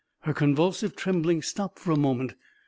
Her convulsive trembling stopped for a moment.